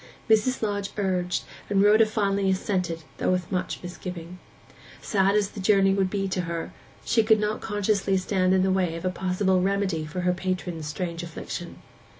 Mrs. Lodge urged, and Rhoda finally assented, though with much misgiving. Sad as the journey would be to her, she could not conscientiously stand in the way of a possible remedy for her patron's strange affliction.